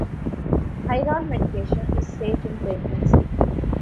Thyroid medication is safe in pregnancy.